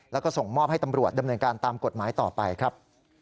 แล้วก็ส่งมอบให้ตำรวจดำเนินการตามกฎหมายต่อไปครับ